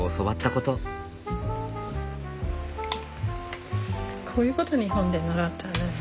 こういうこと日本で習ったよね。